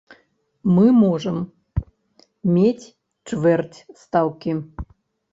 Мы можам мець чвэрць стаўкі.